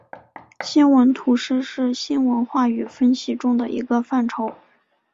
新闻图式是新闻话语分析中的一个范畴。